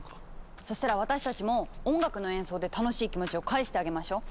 そしたら私たちも音楽の演奏で楽しい気持ちを返してあげましょ。